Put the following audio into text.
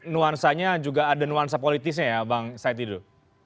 nuansanya juga ada nuansa politisnya ya bang satidus